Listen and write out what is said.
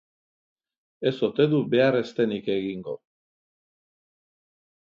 Ez ote du behar ez denik egingo!